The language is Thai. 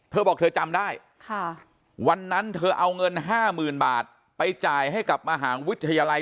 เธอบอกเธอจำได้วันนั้นเธอเอาเงิน๕๐๐๐บาทไปจ่ายให้กับมหาวิทยาลัย